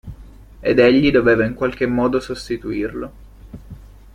Ed egli doveva in qualche modo sostituirlo.